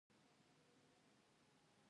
منی د افغان تاریخ په کتابونو کې ذکر شوی دي.